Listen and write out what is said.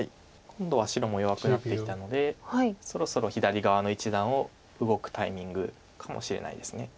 今度は白も弱くなってきたのでそろそろ左側の一団を動くタイミングかもしれないです。